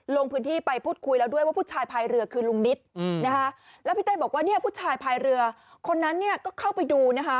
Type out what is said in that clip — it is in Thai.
ลงพื้นที่ไปพูดคุยแล้วด้วยว่าผู้ชายภายเรือคือลุงนิตนะคะแล้วพี่เต้บอกว่าเนี่ยผู้ชายภายเรือคนนั้นเนี่ยก็เข้าไปดูนะคะ